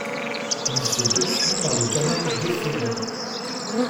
Il se poursuit par le canal déférent.